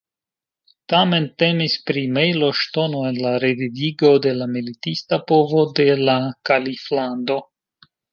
Tamen temis pri mejloŝtono en la revivigo de la militista povo de la kaliflando.